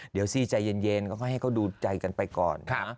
เดี๋ยวซีใจเย็นก็ให้เขาดูใจกันไปก่อนนะ